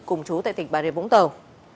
cùng chú tại tỉnh bà rịa vũng tàu